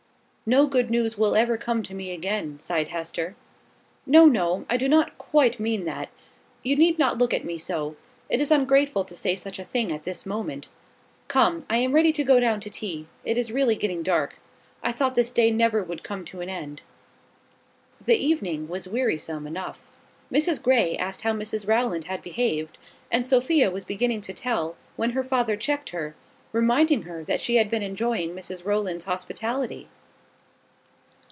"No good news will ever come to me again," sighed Hester. "No, no; I do not quite mean that. You need not look at me so. It is ungrateful to say such a thing at this moment. Come: I am ready to go down to tea. It is really getting dark. I thought this day never would come to an end." The evening was wearisome enough. Mrs Grey asked how Mrs Rowland had behaved, and Sophia was beginning to tell, when her father checked her, reminding her that she had been enjoying Mrs Rowland's hospitality.